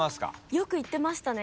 よく行ってましたね